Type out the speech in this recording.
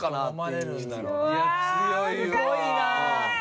すごいな。